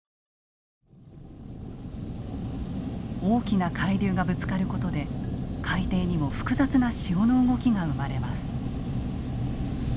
大きな海流がぶつかることで海底にも複雑な潮の動きが生まれます。